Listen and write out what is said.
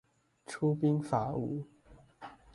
出兵伐吳